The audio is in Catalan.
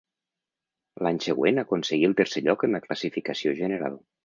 L'any següent aconseguí el tercer lloc en la classificació general.